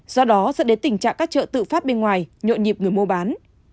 do đó dẫn đến tình trạng các chợ tự phát bên ngoài nhộn nhịp người mua bán